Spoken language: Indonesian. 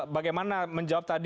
bagaimana menjawab tadi